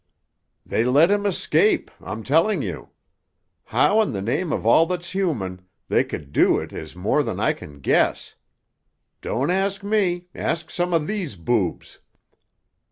"They let him escape, I'm telling you! How, in the name of all that's human, they could do it is more than I can guess! Don't ask me—ask some of these boobs!